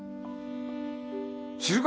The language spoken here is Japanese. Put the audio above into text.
知るか！